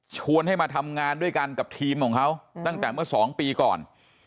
ให้มาทำงานด้วยกันกับทีมของเขาตั้งแต่เมื่อ๒ปีก่อน